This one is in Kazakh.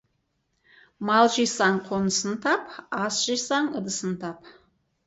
Мал жисаң, қонысын тап, ас жисаң, ыдысын тап.